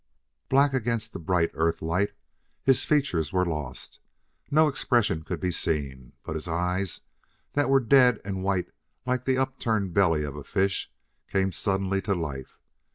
Black against the bright Earth light, his features were lost; no expression could be seen. But his eyes, that were dead and white like the upturned belly of a fish, came suddenly to life.